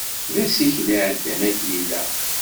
D asikel iεeddan akken ilaq.